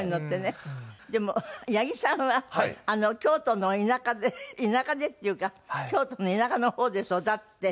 でも八木さんは京都の田舎で田舎でっていうか京都の田舎の方で育って。